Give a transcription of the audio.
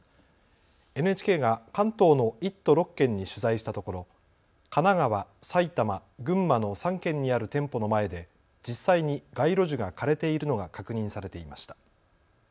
ＮＨＫが関東の１都６県に取材したところ神奈川、埼玉、群馬の３県にある店舗の前で実際に街路樹が枯れているのが確認されていました。